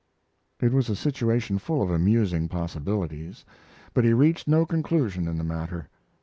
It was a situation full of amusing possibilities; but he reached no conclusion in the matter.